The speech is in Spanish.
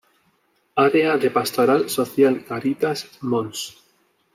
Área de Pastoral Social Caritas: Mons.